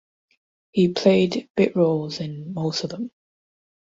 He played bit roles in most of them.